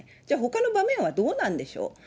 じゃあ、ほかの場面はどうなんでしょう？